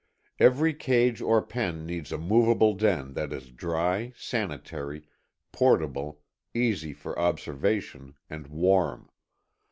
Every cage or pen needs a movable den that is dry, sanitary, portable, easy for observation, and warm.